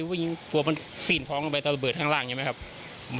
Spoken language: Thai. ผู้หญิงกลัวมันฟีนท้องไปต้องเบิดข้างล่างอย่างนี้ไหมครับ